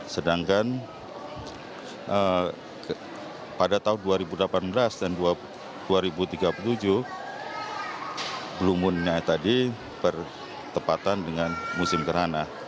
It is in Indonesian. sedangkan pada tahun dua ribu delapan belas dan dua ribu tiga puluh tujuh blue moonnya tadi bertepatan dengan musim gerhana